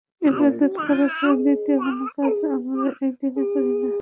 ইবাদত করা ছাড়া দ্বিতীয় কোন কাজ আমরা এ দিনে করি না।